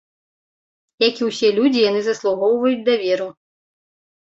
Як і ўсе людзі, яны заслугоўваюць даверу.